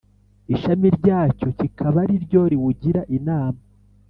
ishami ryacyo rikaba ari ryo riwugira inama.